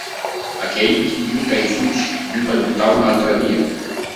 Aquell qui lluita i fuig, viu per lluitar un altre dia.